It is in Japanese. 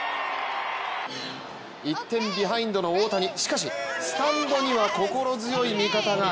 １点ビハインドの大谷、しかしスタンドには心強い味方が。